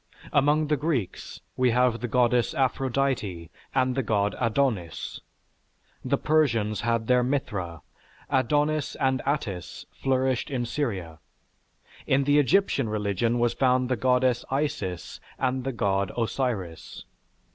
Among the Greeks we have the Goddess Aphrodite and the God Adonis. The Persians had their Mithra. Adonis and Attis flourished in Syria. In the Egyptian religion was found the Goddess Isis and the God Osiris.